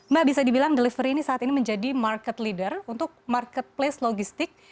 mbak bisa dibilang delivery ini saat ini menjadi market leader untuk marketplace logistik